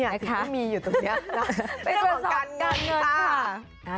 เนี่ยที่ไม่มีอยู่ตรงนี้เป็นเรื่องของการเงินค่ะ